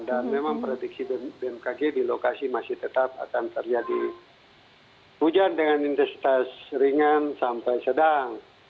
memang prediksi bmkg di lokasi masih tetap akan terjadi hujan dengan intensitas ringan sampai sedang